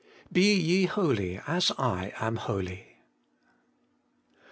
BE YE HOLY, AS I AM HOLY.